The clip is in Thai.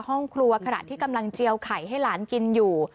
ห้องครัวขณะที่กำลังเจียวไข่ให้หลานกินอยู่